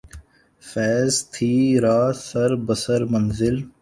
فیضؔ تھی راہ سر بسر منزل